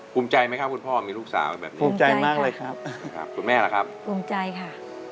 ภูมิใจไหมครับคุณพ่อมีลูกสาวแบบนี้ภูมิใจมากเลยครับครับคุณแม่ล่ะครับภูมิใจค่ะ